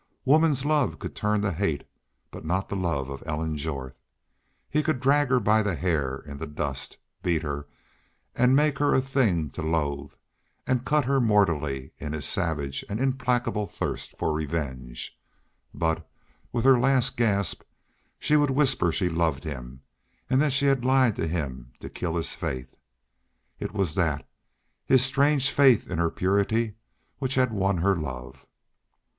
Woman's love could turn to hate, but not the love of Ellen Jorth. He could drag her by the hair in the dust, beat her, and make her a thing to loathe, and cut her mortally in his savage and implacable thirst for revenge but with her last gasp she would whisper she loved him and that she had lied to him to kill his faith. It was that his strange faith in her purity which had won her love.